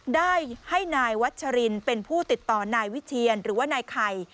ได้ให้นายวัชรินเป็นผู้ติดต่อนายวิเชียนหรือว่านายไข่